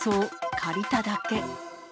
借りただけ。